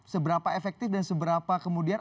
seberapa efektif dan seberapa kemudian